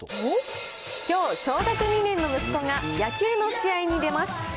きょう、小学２年の息子が野球の試合に出ます。